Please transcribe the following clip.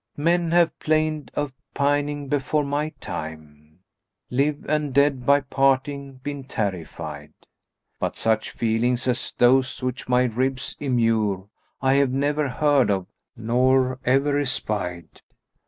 "Men have 'plained of pining before my time, * Live and dead by parting been terrified: But such feelings as those which my ribs immure * I have never heard of, nor ever espied."